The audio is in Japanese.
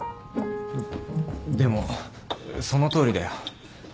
でもそのとおりだよ。